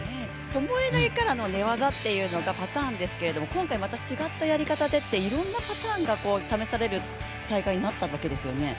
ともえ投げからの寝技がパターンですけれども今回また違ったやり方で、いろんなパターンが試される大会になったわけですよね。